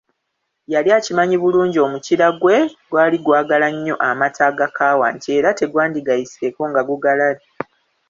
Yali akimanyi bulungi omukira gwe gwali gwagala nnyo amata agakaawa nti era tegwandigayiseeko nga gugalabye.